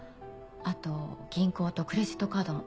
あと銀行とクレジットカードも。